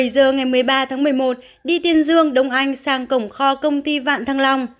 bảy giờ ngày một mươi ba tháng một mươi một đi tiên dương đông anh sang cổng kho công ty vạn thăng long